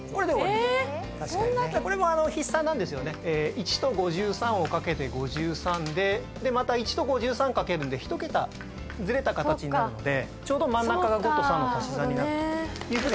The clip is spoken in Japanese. １と５３を掛けて５３でまた１と５３掛けるんで１桁ずれた形になるのでちょうど真ん中が５と３の足し算になると。